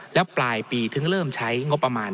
แล้วปลายปีถึงเริ่มใช้งบประมาณ